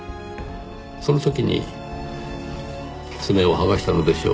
その時に爪を剥がしたのでしょう。